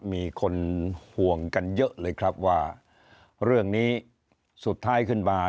มีคนห่วงกันเยอะเลยครับว่าเรื่องนี้สุดท้ายขึ้นมา